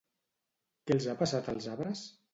Què els ha passat als arbres?